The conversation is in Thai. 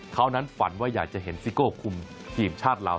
เขานั้นฝันว่าอยากจะเห็นซิโก้คุมทีมชาติลาว